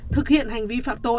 thực hiện hành vi phạm tội